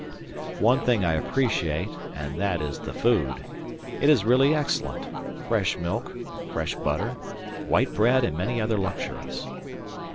One thing I appreciate, and that is the food; it is really excellent: fresh milk, fresh butter, white bread and many other luxuries.